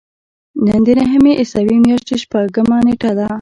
نن د نهمې عیسوي میاشتې شپږمه نېټه ده.